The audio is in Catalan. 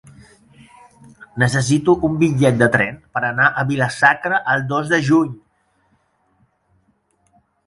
Necessito un bitllet de tren per anar a Vila-sacra el dos de juny.